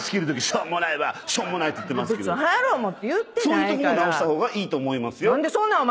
そういうとこも直した方がいいと思いますよ。